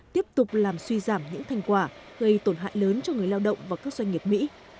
tiếp tục làm suy giảm những thành quả gây tổn hại lớn cho người lao động và các doanh nghiệp mỹ